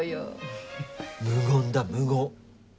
無言だ無言。